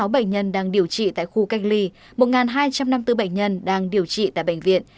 một trăm năm mươi sáu bệnh nhân đang điều trị tại khu cách ly một hai trăm năm mươi bốn bệnh nhân đang điều trị tại bệnh viện